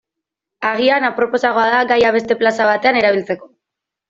Agian aproposagoa da gaia beste plaza batean erabiltzeko.